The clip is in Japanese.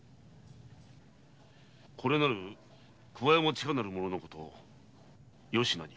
これなる桑山千加なる者のことよしなに。